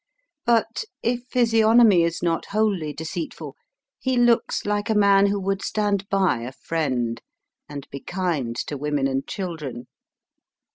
But, if physiognomy is not wholly deceitful, he looks like a man who would stand by a friend, and be kind to women and children.